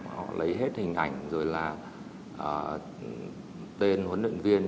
họ lấy hết hình ảnh rồi là tên huấn luyện viên